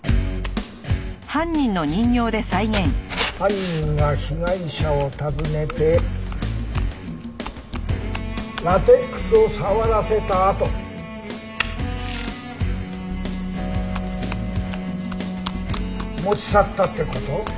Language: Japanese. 犯人が被害者を訪ねてラテックスを触らせたあと。持ち去ったって事？